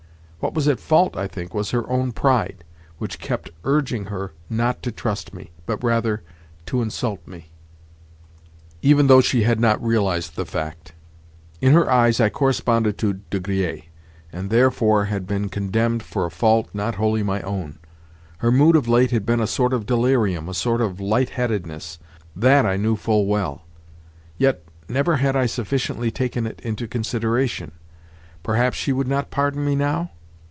What was at fault, I think, was her own pride, which kept urging her not to trust me, but, rather, to insult me—even though she had not realised the fact. In her eyes I corresponded to De Griers, and therefore had been condemned for a fault not wholly my own. Her mood of late had been a sort of delirium, a sort of light headedness—that I knew full well; yet, never had I sufficiently taken it into consideration. Perhaps she would not pardon me now?